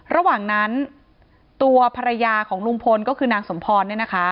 ระหว่างนั้นตัวภรรยาของลุงพลก็คือนางสมพรเนี่ยนะคะ